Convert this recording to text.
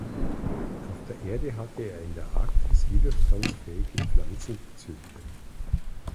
Auf der Erde hatte er in der Arktis widerstandsfähige Pflanzen gezüchtet.